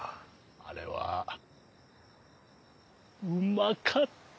あれはうまかった！